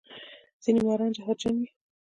ځینې ماران زهرجن وي